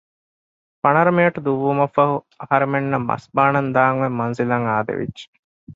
ފަނަރަ މިނެޓު ދުއްވުމަށްފަހު އަހަރެމެންނަށް މަސްބާނަން ދާން އޮތް މަންޒިލަށް އާދެވިއްޖެ